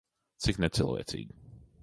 Cik necilvēcīgi.